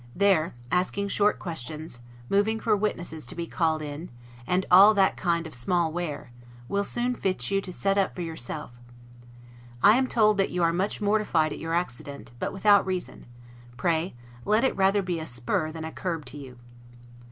There, asking short questions, moving for witnesses to be called in, and all that kind of small ware, will soon fit you to set up for yourself. I am told that you are much mortified at your accident, but without reason; pray, let it rather be a spur than a curb to you.